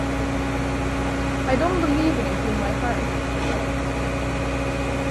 I don't believe in it in my heart.